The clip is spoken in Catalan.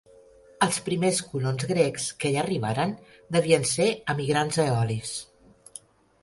Els primers colons grecs que hi arribaren devien ser emigrants eolis.